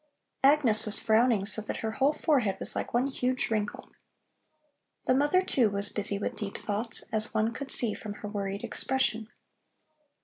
Agnes was frowning so that her whole forehead was like one huge wrinkle. The mother, too, was busy with deep thoughts, as one could see from her worried expression.